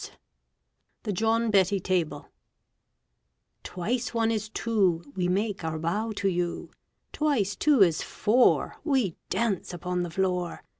] THE JOHN BETTY TABLE Twice one is two, We make our bow to you. Twice two is four, We dance upon the floor.